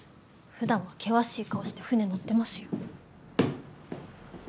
ふだんは険しい顔して船乗ってますよ。